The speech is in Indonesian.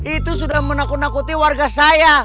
itu sudah menakuti warga saya